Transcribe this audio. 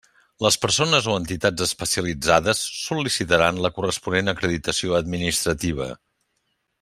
Les persones o entitats especialitzades sol·licitaran la corresponent acreditació administrativa.